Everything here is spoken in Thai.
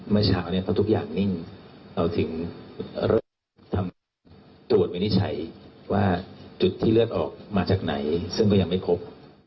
เมื่อเช้าเพราะทุกอย่างนิ่ง